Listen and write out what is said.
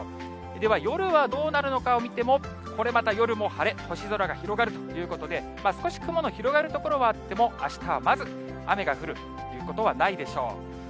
では夜はどうなるのかを見ても、これまた夜も晴れ、星空が広がるということで、少し雲の広がる所はあっても、あしたはまず雨が降るということはないでしょう。